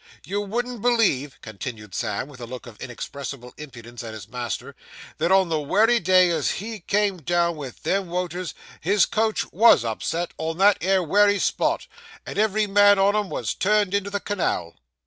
You wouldn't believe, sir,' continued Sam, with a look of inexpressible impudence at his master, 'that on the wery day as he came down with them woters, his coach _was _upset on that 'ere wery spot, and ev'ry man on 'em was turned into the canal.